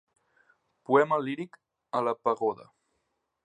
Poema líric a la pagoda.